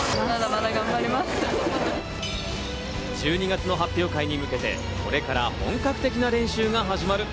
１２月の発表会に向けて、これから本格的な練習が始まる。